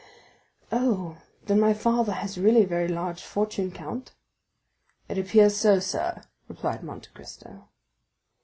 "Oh, then my father has really a very large fortune, count?" "It appears so, sir," replied Monte Cristo.